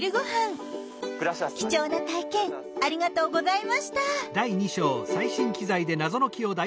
貴重な体験ありがとうございました！